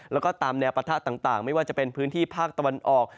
แล้วก็ตามแนวปะทะต่างไม่ว่าจะเป็นพื้นที่ภาคตะวันออก